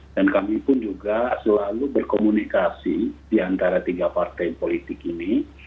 dan kami pun juga selalu berkomunikasi di antara tiga partai politik ini